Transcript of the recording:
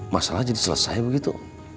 masalah jadi selesai begitu